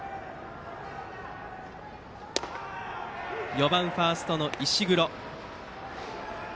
打席は４番ファーストの石黒。